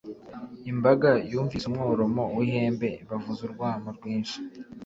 imbaga yumvise umworomo w’ihembe, bavuza urwamo rwinshi.